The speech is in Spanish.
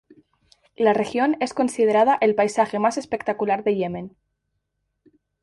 La región es considerada el paisaje más espectacular de Yemen.